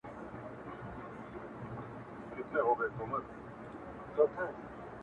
د کلي خلک د موټر شاوخوا راټولېږي او ګوري